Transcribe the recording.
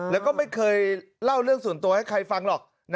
แล้วก็ไม่เคยเล่าเรื่องส่วนตัวให้ใครฟังหรอก